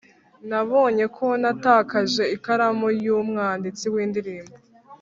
nabonye ko natakaje ikaramu yumwanditsi windirimbo